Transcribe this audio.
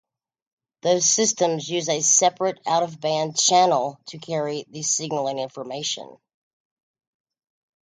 Those systems use a separate out-of-band channel to carry the signaling information.